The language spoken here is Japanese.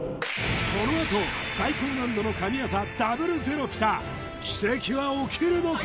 このあと最高難度の神業ダブルゼロピタ奇跡は起きるのか？